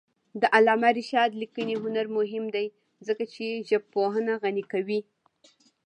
د علامه رشاد لیکنی هنر مهم دی ځکه چې ژبپوهنه غني کوي.